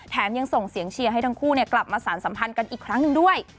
ยังส่งเสียงเชียร์ให้ทั้งคู่กลับมาสารสัมพันธ์กันอีกครั้งหนึ่งด้วย